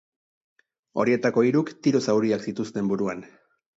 Horietako hiruk tiro zauriak zituzten buruan.